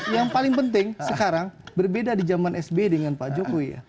yang paling penting sekarang berbeda di zaman sbi dengan pak jokowi ya